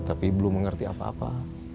tapi belum mengerti apa apa